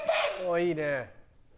あいいね。